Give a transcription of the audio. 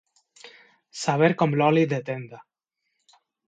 Saber com l'oli de tenda.